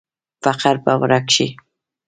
فقر به ورک شي؟